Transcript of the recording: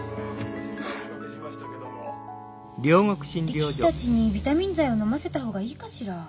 力士たちにビタミン剤を飲ませた方がいいかしら？